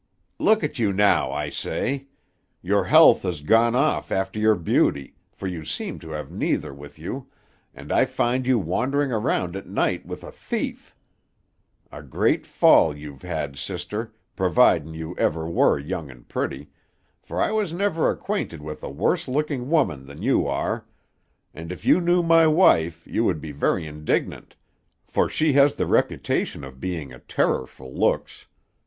"Look at you now, I say! Your health has gone off after your beauty, for you seem to have neither with you, and I find you wandering around at night with a Thief. A great fall you've had, sister, providin' you ever were young and pretty, for I was never acquainted with a worse looking woman than you are; and if you knew my wife you would be very indignant, for she has the reputation of being a Terror for looks.